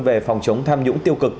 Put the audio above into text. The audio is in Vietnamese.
về phòng chống tham nhũng tiêu cực